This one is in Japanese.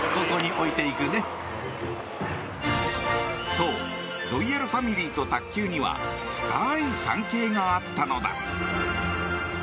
そう、ロイヤルファミリーと卓球には深い関係があったのだ。